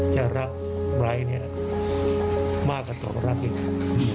จะรักไบร์เนี่ยมากกว่าต่อรักอีกครับ